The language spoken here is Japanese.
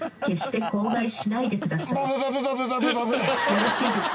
「よろしいですか？」